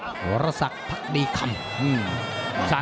ต้องเข้มข้นมา